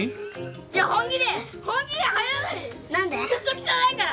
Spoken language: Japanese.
クッソ汚いから。